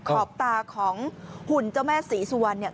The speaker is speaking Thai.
ขอบตาของหุ่นเจ้าแม่ศรีสุวรรณเนี่ย